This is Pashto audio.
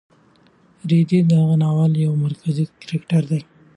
رېدی د دغه ناول یو مرکزي کرکټر دی.